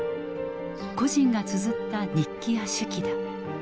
個人がつづった日記や手記だ。